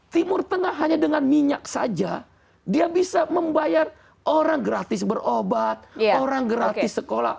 timur tengah hanya dengan minyak saja dia bisa membayar orang gratis berobat orang gratis sekolah